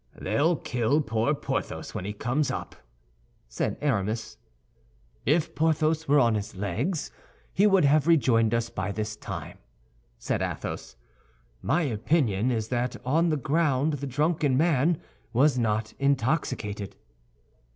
"They'll kill poor Porthos when he comes up," said Aramis. "If Porthos were on his legs, he would have rejoined us by this time," said Athos. "My opinion is that on the ground the drunken man was not intoxicated."